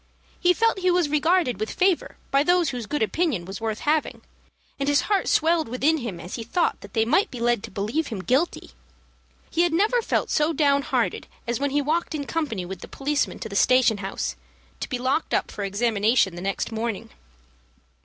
He felt he was regarded with favor by those whose good opinion was worth having, and his heart swelled within him as he thought that they might be led to believe him guilty. He had never felt so down hearted as when he walked in company with the policeman to the station house, to be locked up for examination the next morning.